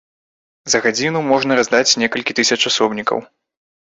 За гадзіну можна раздаць некалькі тысяч асобнікаў.